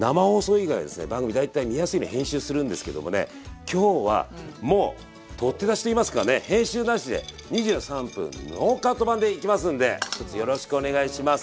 番組大体見やすいように編集するんですけどもね今日はもう撮って出しといいますかね編集なしで２３分ノーカット版でいきますんでひとつよろしくお願いします。